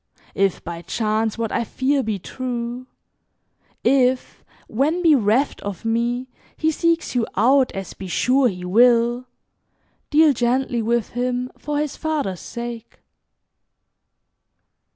If, by chance, what I fear be true, if, when bereft of me, he seeks you out, as be sure he will, deal gently with him for his father's sake.